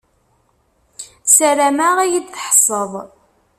Sarameɣ ad yi-d-tḥesseḍ.